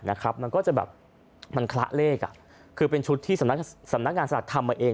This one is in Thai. มันก็จะแบบมันคละเลขคือเป็นชุดที่สำนักงานสถาคธรรมมาเอง